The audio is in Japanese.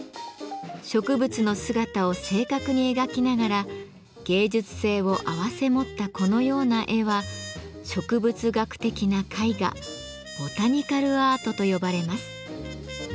植物の姿を正確に描きながら芸術性を併せ持ったこのような絵は植物学的な絵画「ボタニカルアート」と呼ばれます。